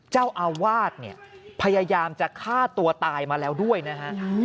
เจ้าอาวาสเนี่ยพยายามจะฆ่าตัวตายมาแล้วด้วยนะฮะ